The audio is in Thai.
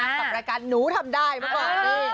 กับรายการหนูทำได้เมื่อก่อนนี่